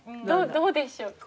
どうでしょうか？